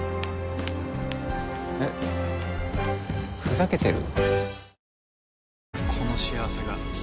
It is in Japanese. えっふざけてる？